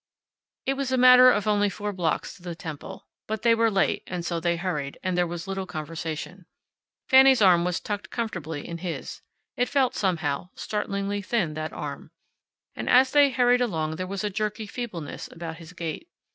It was a matter of only four blocks to the temple. But they were late, and so they hurried, and there was little conversation. Fanny's arm was tucked comfortably in his. It felt, somehow, startlingly thin, that arm. And as they hurried along there was a jerky feebleness about his gait.